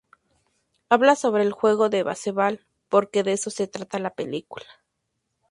Habla sobre el juego de baseball, porque de eso se trata la película.